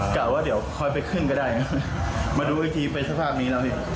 กะว่าเดี๋ยวค่อยไปขึ้นก็ได้มาดูอีกทีเป็นสภาพนี้แล้วนี่